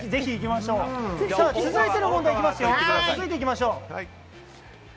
続いての問題いきましょう。